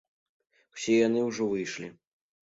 Усе яны ўжо выйшлі.